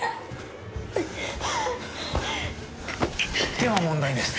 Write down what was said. では問題です。